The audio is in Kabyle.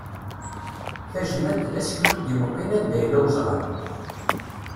Tajnant d aseklu i d-imeqqin anda yella uzɣal.